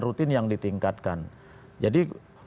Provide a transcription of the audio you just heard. rutin yang ditingkatkan jadi